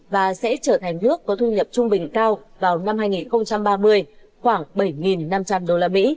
và sẽ trở thành nước có thu nhập trung bình cao vào năm hai nghìn ba mươi khoảng bảy năm trăm linh usd